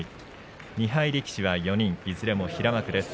２敗力士が４人いずれも平幕です。